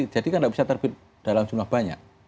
jadi kan tidak bisa terbit dalam jumlah banyak